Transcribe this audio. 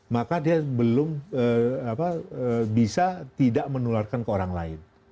maka dia belum bisa tidak menularkan ke orang lain